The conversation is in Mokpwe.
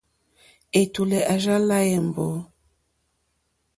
Ɛ̀tùlɛ̀ à rzá lā èmbǒ.